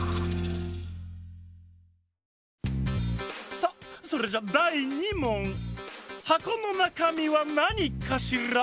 「」「」さあそれじゃだい２もん！はこのなかみはなにかしら？